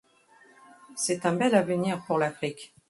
C'est un bel avenir pour l'Afrique.